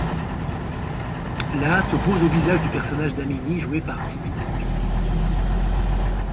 La s'oppose au visage du personnage d'Amélie joué par Sylvie Testud.